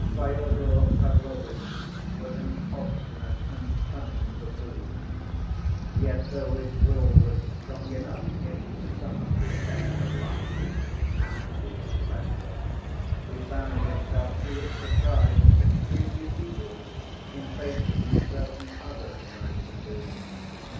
Fyodor Pavlovitch was an obstinate and cunning buffoon, yet, though his will was strong enough "in some of the affairs of life," as he expressed it, he found himself, to his surprise, extremely feeble in facing certain other emergencies.